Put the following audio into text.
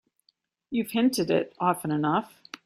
You've hinted it often enough.